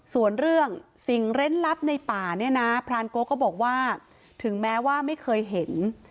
ส่วนเรื่องสิ่งเล่นลับในป่าเนี่ยนะพรานโกก็บอกว่าถึงแม้ว่าไม่เคยเห็น